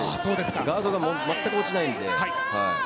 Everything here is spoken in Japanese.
ガードが全く落ちないんで。